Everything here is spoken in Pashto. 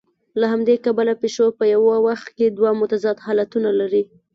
له همدې کبله پیشو په یوه وخت کې دوه متضاد حالتونه لري.